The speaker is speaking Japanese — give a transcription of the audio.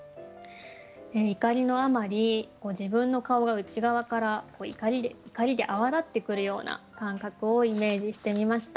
怒りのあまり自分の顔が内側から怒りで泡立ってくるような感覚をイメージしてみました。